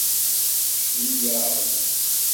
Cnu-yaɣ-d